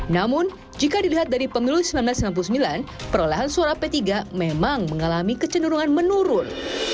namun jika dilihat dari pemilu seribu sembilan ratus sembilan puluh sembilan perolehan suara p tiga memang mengalami kecenderungan menurun